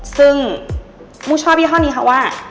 ซึ่งมูชอบยี่ห้อนี้ค่ะว่า